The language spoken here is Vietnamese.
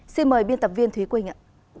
xin mời biên tập viên thúy quỳnh ạ